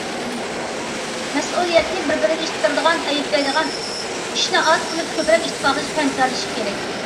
مەسئۇلىيەتنى بىر- بىرىگە ئىتتىرىدىغان، ئەيىبلەيدىغان ئىشنى ئاز قىلىپ، كۆپرەك ئىتتىپاقلىشىپ ھەمكارلىشىشى كېرەك.